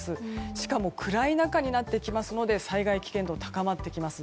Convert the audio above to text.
しかも暗い中になってきますので災害危険度も高まっていきます。